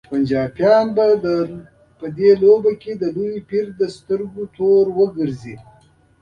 پنجابیان به په دې لوبه کې د لوی پیر د توجه وړ وګرځي.